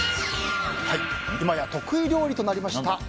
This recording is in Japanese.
いまや、得意料理となりました